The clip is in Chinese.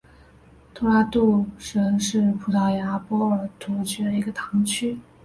托拉杜什是葡萄牙波尔图区的一个堂区。